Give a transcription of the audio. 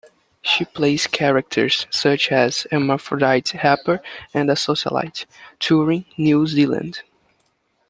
She plays characters such as a hermaphrodite rapper and a socialite, touring New Zealand.